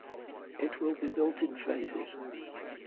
It will be built in phases.